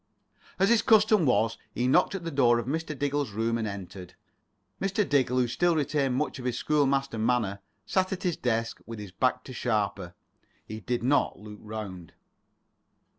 As his custom was, he knocked at the door of Mr. Diggle's room and entered. Mr. Diggle, who still retained much of his schoolmaster manner, sat at his desk with his back to Sharper. He did not look round.